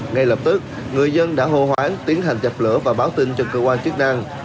ngay lập tức người dân đã hồ hoán tiến hành chạp lửa và báo tin cho cơ quan chức năng